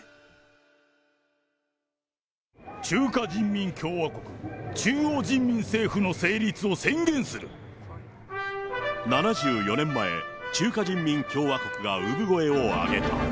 中華人民共和国、７４年前、中華人民共和国が産声を上げた。